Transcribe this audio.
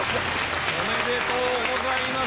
おめでとうございます！